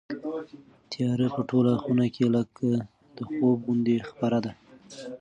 تیاره په ټوله خونه کې لکه د خوب غوندې خپره ده.